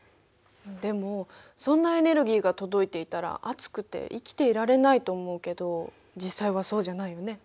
でもそんなエネルギーが届いていたら熱くて生きていられないと思うけど実際はそうじゃないよね。